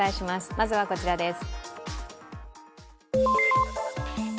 まずはこちらです。